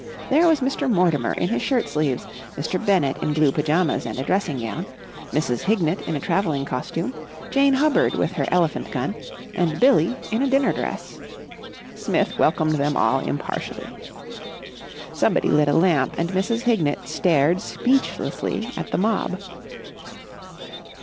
There was Mr. Mortimer in his shirt sleeves, Mr. Bennett in blue pyjamas and a dressing gown, Mrs. Hignett in a travelling costume, Jane Hubbard with her elephant gun, and Billie in a dinner dress. Smith welcomed them all impartially. Somebody lit a lamp, and Mrs. Hignett stared speechlessly at the mob.